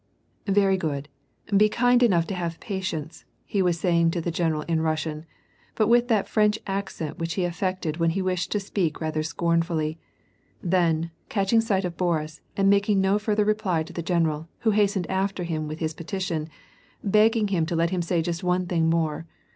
" Very good, be kind enough to have patience," he was say ing to the general in Russian, but witn that French accent which he affected when he wished to speak rather scornfully ; then, catching sight of Boris, and making no further reply to the general, who hastened after him with his petition, begging him to let him say just one thing more.